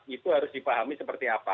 itu harus dipahami seperti apa